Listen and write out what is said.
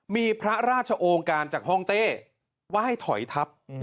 มีพระราชองค์การจากห้องเต้ว่าให้ถอยทับ